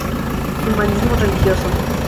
Humanismo religioso